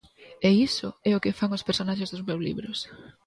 E iso é o que fan os personaxes dos meus libros.